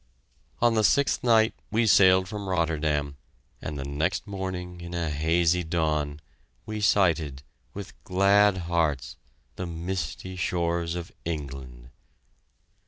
On the sixth night we sailed from Rotterdam, and the next morning, in a hazy dawn, we sighted, with glad hearts, the misty shores of England.